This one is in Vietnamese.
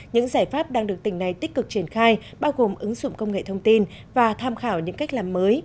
những giải pháp đang được tỉnh này tích cực triển khai bao gồm ứng dụng công nghệ thông tin và tham khảo những cách làm mới